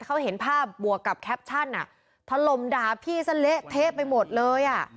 เขาเห็นภาพบวกกับแคปชั่นอ่ะถล่มด่าพี่ซะเละเทะไปหมดเลยอ่ะ